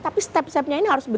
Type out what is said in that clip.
tapi step stepnya ini harus